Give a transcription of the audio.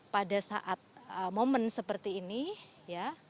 pada saat momen seperti ini ya